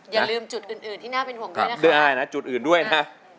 อย่าลืมจุดอื่นที่น่าเป็นห่วงด้วยนะครับ